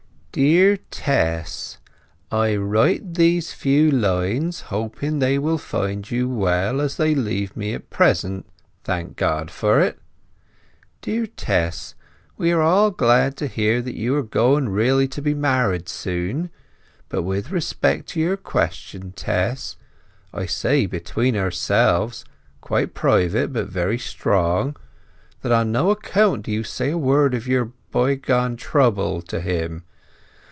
Dear Tess, J write these few lines Hoping they will find you well, as they leave me at Present, thank God for it. Dear Tess, we are all glad to Hear that you are going really to be married soon. But with respect to your question, Tess, J say between ourselves, quite private but very strong, that on no account do you say a word of your Bygone Trouble to him.